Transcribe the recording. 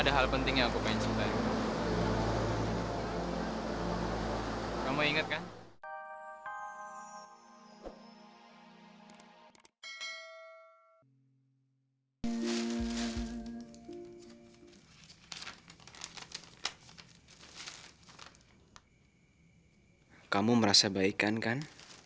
kamu merasa baikan kan